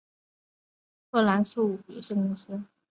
葛兰素史克股份有限公司。